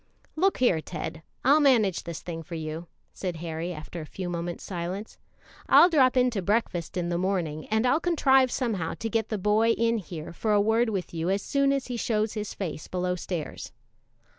"Look here, Ted, I'll manage this thing for you," said Harry, after a few moments' silence. "I'll drop in to breakfast in the morning, and I'll contrive somehow to get the boy in here for a word with you as soon as he shows his face below stairs."